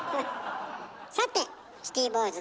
さてシティボーイズ